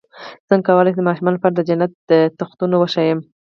څنګه کولی شم د ماشومانو لپاره د جنت تختونه وښایم